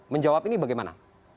menjawab ini bagaimana